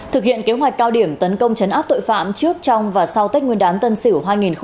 thực hiện kế hoạch cao điểm tấn công chấn áp tội phạm trước trong và sau tết nguyên đán tân sửu hai nghìn hai mươi một